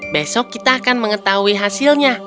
besok kita akan mengetahui hasilnya